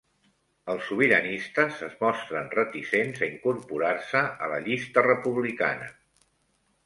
Els sobiranistes es mostren reticents a incorporar-se a la llista republicana